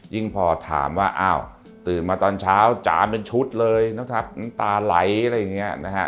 ยิ่งพอถามว่าอ้าวตื่นมาตอนเช้าจ๋าเป็นชุดเลยนะครับน้ำตาไหลอะไรอย่างนี้นะฮะ